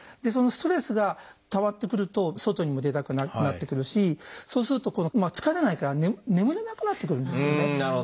そのストレスがたまってくると外にも出たくなくなってくるしそうすると今度疲れないから眠れなくなってくるんですよね。